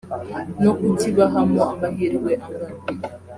no kukibahamo amahirwe angana